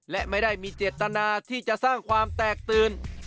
และไม่ได้มีเจตนาที่จะสร้างความแตกตื่น